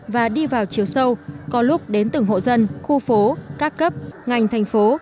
và đi vào chiều sâu có lúc đến từng hộ dân khu phố các cấp ngành thành phố